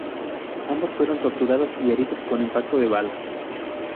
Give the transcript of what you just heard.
Ambos fueron torturados y heridos con impacto de bala.